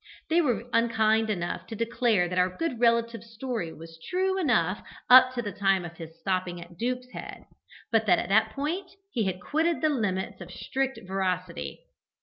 They were unkind enough to declare that our good relative's story was true enough up to the time of his stopping at the "Duke's Head," but that at that point he had quitted the limits of strict veracity.